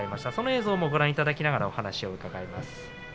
その映像をご覧いただきながら話を伺います。